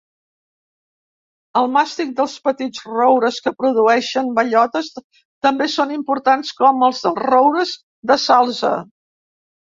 El màstic dels petits roures que produeixen bellotes també són importants, com el dels roures de salze.